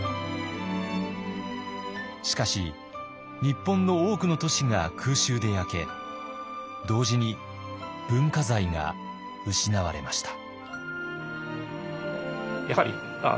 しかし日本の多くの都市が空襲で焼け同時に文化財が失われました。